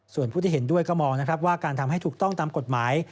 ส่วนผู้ที่เห็นด้วยก็มองนะครับว่าการทำให้ถูกต้องตามกฎหมาย